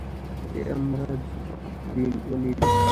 A Ammara bin Walid.